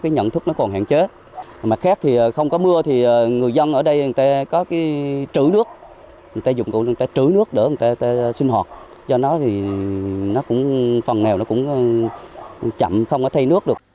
nhận thức còn hạn chế mà khác thì không có mưa thì người dân ở đây có trữ nước người ta dùng cụ trữ nước để sinh hoạt do đó phần nào cũng chậm không có thay nước được